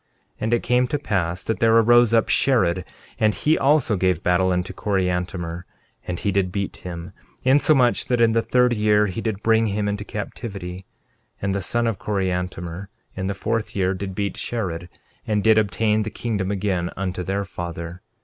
13:23 And it came to pass that there arose up Shared, and he also gave battle unto Coriantumr; and he did beat him, insomuch that in the third year he did bring him into captivity. 13:24 And the sons of Coriantumr, in the fourth year, did beat Shared, and did obtain the kingdom again unto their father.